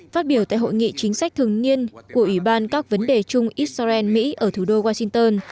phát biểu tại hội nghị chính sách thường niên của ủy ban các vấn đề chung israel mỹ ở thủ đô washington